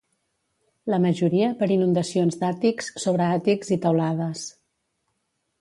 La majoria per inundacions d'àtics, sobreàtics i teulades.